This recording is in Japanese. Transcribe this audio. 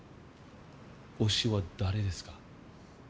推しは誰ですか？